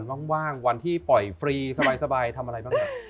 ว่างวันที่ปล่อยฟรีสบายทำอะไรบ้างเนี่ย